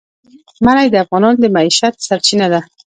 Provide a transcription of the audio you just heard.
منی د افغانانو د معیشت سرچینه ده.